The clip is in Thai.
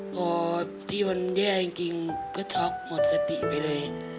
พอที่มันแย่จริงก็ช็อกหมดสติไปเลย